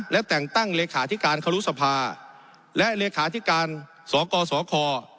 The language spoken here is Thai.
และแต่งตั้งเลขาธิการครุสภาและเลขาธิการสกสค